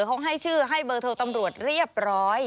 เขาให้ชื่อให้เบอร์โทรตำรวจเรียบร้อย